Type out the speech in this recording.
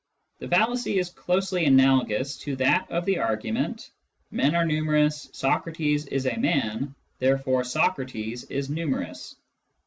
The fallacy is closely analogous to that of the argument :" Men are numerous, Socrates is a man, therefore Socrates is numerous."